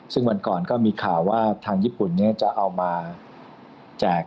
ซึ่งวันก่อนก็มีข่าวว่าทางญี่ปุ่นจะเอามาแจก